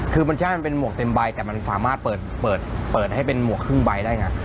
คือมันใช่มันเป็นหมวกเต็มใบแต่มันสามารถเปิดให้เป็นหมวกครึ่งใบได้ไง